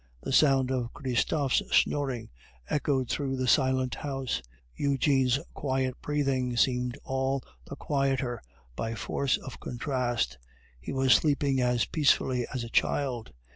The sound of Christophe's snoring echoed through the silent house; Eugene's quiet breathing seemed all the quieter by force of contrast, he was sleeping as peacefully as a child.